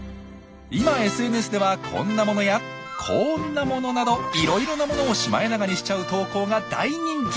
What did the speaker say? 今ＳＮＳではこんなものやこんなものなどいろいろなものをシマエナガにしちゃう投稿が大人気。